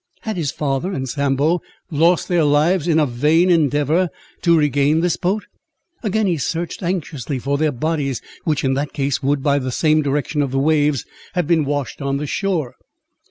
"Had his father and Sambo lost their lives in a vain endeavour to regain this boat?" Again he searched anxiously for their bodies, which, in that case, would, by the same direction of the waves, have been washed on the shore.